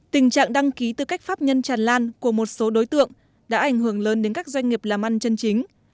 tình trạng đăng ký tư cách pháp nhân tràn lan của một số đối tượng đã ảnh hưởng lớn đến các doanh nghiệp làm ăn chân chính